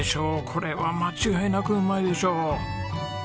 これは間違いなくうまいでしょう。